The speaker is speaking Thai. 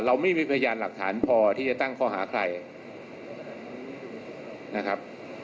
เราไม่มีพยานหลักฐานพอที่จะตั้งข้อหาใครนะครับ